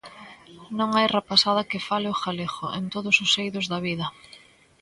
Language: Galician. Non hai rapazada que fale o galego en todos os eidos da vida.